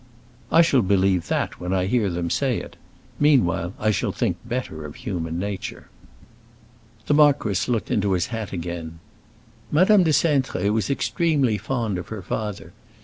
"I shall believe that when I hear them say it. Meanwhile I shall think better of human nature." The marquis looked into his hat again. "Madame de Cintré was extremely fond of her father.